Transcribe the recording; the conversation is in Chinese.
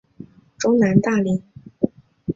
中南大羚。